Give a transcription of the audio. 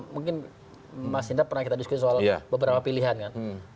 mungkin mas indra pernah kita diskusi soal beberapa pilihan kan